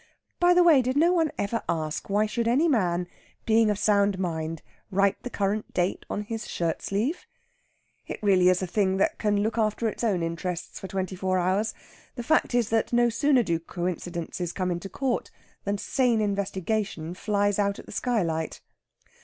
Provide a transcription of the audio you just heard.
By the way, did no one ever ask why should any man, being of sound mind, write the current date on his shirt sleeve? It really is a thing that can look after its own interests for twenty four hours. The fact is that, no sooner do coincidences come into court, than sane investigation flies out at the skylight.